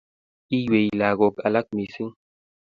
iywei lagook alaku mising